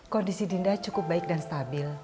kondisi dinda cukup baik dan stabil